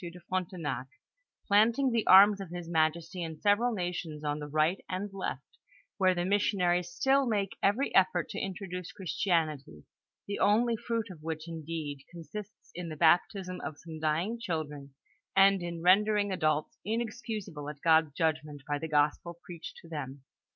de Frontenac, plant ing the arms of his majesty in several nations on the right and left, where the missionaries still make every effort to in troduce Christianity, the only fruit of which indeed consists in the baptisiu of some dying children, and in rendering adults inexcusable at God's judgment by the gospel preached to them.